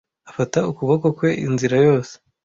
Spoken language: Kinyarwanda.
Afata ukuboko kwe inzira yose.